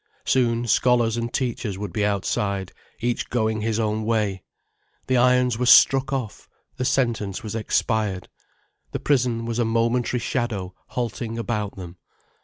Soon scholars and teachers would be outside, each going his own way. The irons were struck off, the sentence was expired, the prison was a momentary shadow halting about them.